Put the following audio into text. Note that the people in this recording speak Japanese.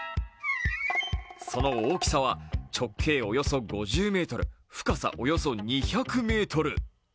その大きさは直径およそ５０ｍ、深さおよそ２００ｍ。